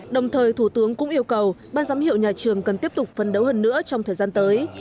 đồng thời thủ tướng cũng yêu cầu ban giám hiệu nhà trường cần tiếp tục phấn đấu hơn nữa trong thời gian tới